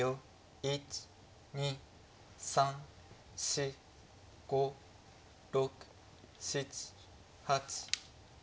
１２３４５６７８。